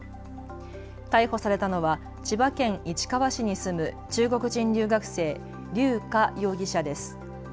逮捕されたのは千葉県市川市に住む中国人留学生、劉佳容疑者です。